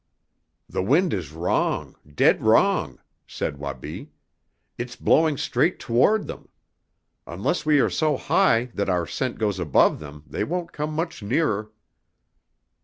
"The wind is wrong, dead wrong," said Wabi. "It's blowing straight toward them. Unless we are so high that our scent goes above them they won't come much nearer."